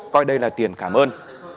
coi đây là tiền cảm ơn